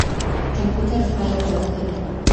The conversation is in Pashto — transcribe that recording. کمپيوټر فايل پيدا کوي.